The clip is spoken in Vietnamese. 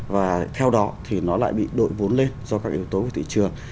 và theo đó thì nó lại bị đội vốn lên do các yếu tố của thị trường